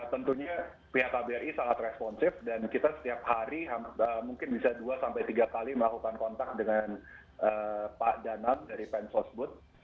tentunya pihak kbri sangat responsif dan kita setiap hari mungkin bisa dua tiga kali melakukan kontak dengan pak danang dari pensosbud